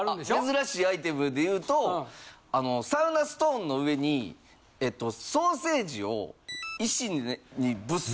珍しいアイテムで言うとサウナストーンの上にソーセージを石にぶっさして